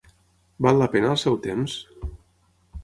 Val la pena el seu temps?